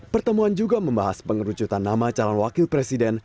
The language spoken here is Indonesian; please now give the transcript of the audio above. pertemuan juga membahas pengerucutan nama calon wakil presiden